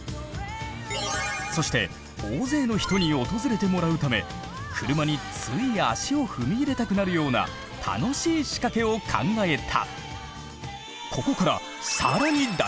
そして大勢の人に訪れてもらうため車につい足を踏み入れたくなるような楽しいしかけを考えた。